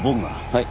はい。